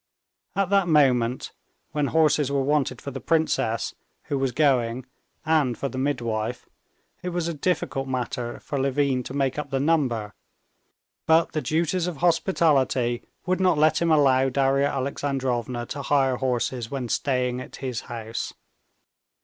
At that moment, when horses were wanted for the princess, who was going, and for the midwife, it was a difficult matter for Levin to make up the number, but the duties of hospitality would not let him allow Darya Alexandrovna to hire horses when staying in his house.